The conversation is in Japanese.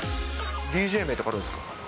ＤＪ名とかあるんですか？